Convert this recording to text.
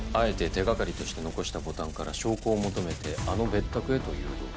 手掛かりとして残したボタンから証拠を求めてあの別宅へと誘導。